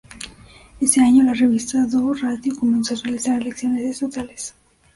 Ese año, la Revista do Rádio comenzó a realizar elecciones estatales.